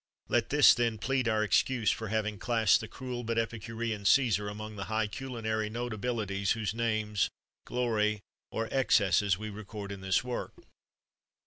Let this, then, plead our excuse for having classed the cruel but epicurean Cæsar among the high culinary notabilities whose names, glory, or excesses we record in this work.